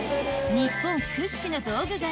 日本屈指の道具街